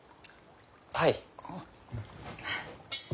はい。